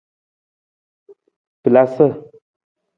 Falasa.